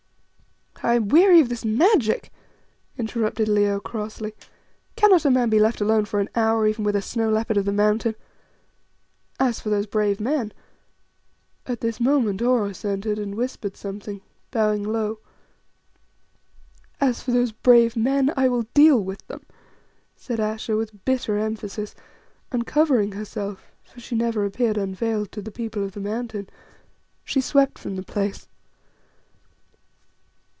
"I am weary of this magic," interrupted Leo crossly. "Cannot a man be left alone for an hour even with a leopard of the mountain? As for those brave men " At this moment Oros entered and whispered something, bowing low. "As for those 'brave men,' I will deal with them," said Ayesha with bitter emphasis, and covering herself for she never appeared unveiled to the people of the Mountain she swept from the place.